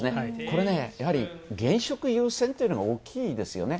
やはり、現職優先というのが大きいですよね。